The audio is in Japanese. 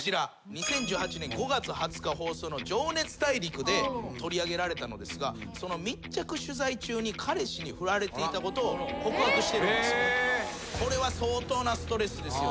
２０１８年５月２０日放送の『情熱大陸』で取り上げられたのですがその密着取材中に彼氏に振られていたことを告白してるんです。